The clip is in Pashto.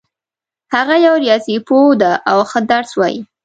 هغه یو ریاضي پوه ده او ښه درس وایي